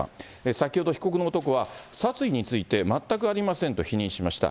先ほど被告の男は、殺意について全くありませんと否認しました。